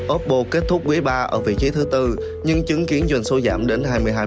oppo kết thúc quý ba ở vị trí thứ bốn nhưng chứng kiến doanh số giảm đến hai mươi hai